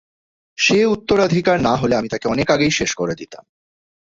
সে উত্তরাধিকার না হলে, আমি তাকে অনেক আগেই শেষ করে দিতাম!